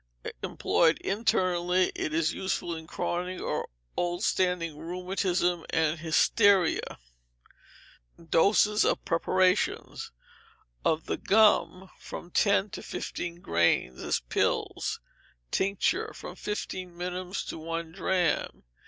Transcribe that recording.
Employed internally, it is useful in chronic or old standing rheumatism and hysteria. Doses of preparations. Of the gum, from ten to fifteen grains as pills; tincture, from fifteen minims to one drachm.